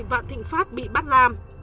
vạn thịnh pháp bị bắt giam